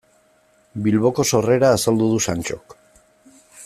Bilboko sorrera azaldu du Santxok.